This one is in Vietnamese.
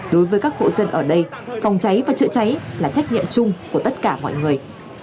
đối với các hộ dân ở đây phòng cháy và chữa cháy là trách nhiệm chung của tất cả mọi người